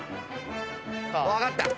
分かった！